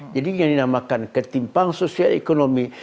jadi yang dinamakan ketimpang sosial ekonomi